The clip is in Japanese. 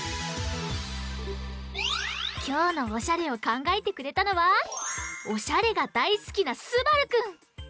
きょうのおしゃれをかんがえてくれたのはおしゃれがだいすきなすばるくん。